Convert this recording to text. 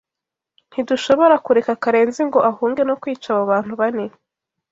Ntidushobora kureka Karenzi ngo ahunge no kwica abo bantu bane.